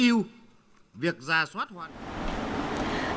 quyển ng state praxis ở khu trường trên hải phòng